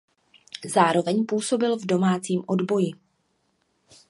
Zároveň působil v domácím odboji.